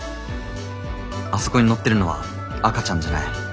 あそこにのってるのは赤ちゃんじゃない。